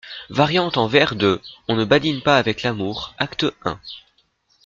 Variante en vers de : On ne badine pas avec l'amour, acte un.